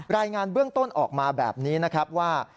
รายงานเบื้องต้นออกมาแบบนี้นะครับว่า